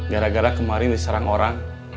gara gara kemarin diserang orang